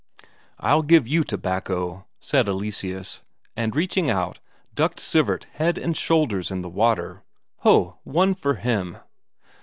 "I'll give you tobacco," said Eleseus, and reaching out, ducked Sivert head and shoulders in the water. Ho, one for him!